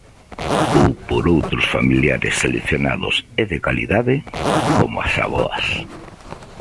Ou por outros familiares seleccionados e de calidade, como as avoas.